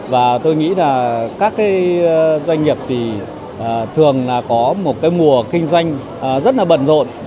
và tôi nghĩ là các doanh nghiệp thì thường là có một mùa kinh doanh rất là bẩn rộn